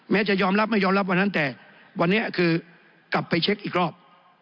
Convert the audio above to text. จะยอมรับไม่ยอมรับวันนั้นแต่วันนี้คือกลับไปเช็คอีกรอบ